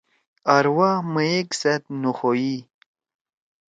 آرواح مئیک سیت نُخوئی۔